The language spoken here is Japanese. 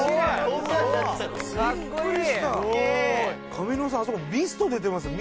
上沼さんあそこミスト出てますよ！